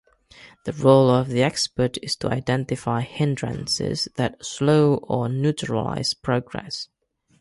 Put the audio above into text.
The role of the expert is to identify hindrances that slow or neutralize progress.